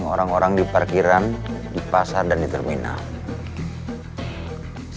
tergantung revenge orang orang yang saya bayar melawan backing